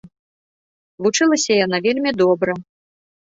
Вучылася яна вельмі добра.